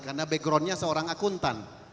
karena backgroundnya seorang akuntan